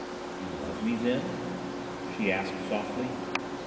"You love me, then?" she asked softly.